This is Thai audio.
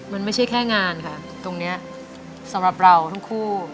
มันไม่ใช่แค่งานค่ะตรงนี้สำหรับเราทั้งคู่